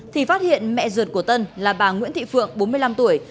thì phát hiện mẹ ruột của tân là bà nguyễn thị phượng bốn mươi năm tuổi